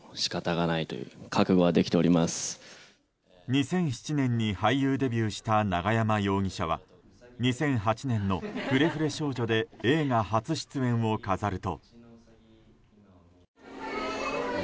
２００７年に俳優デビューした永山容疑者は２００８年の「フレフレ少女」で映画初出演を飾ると。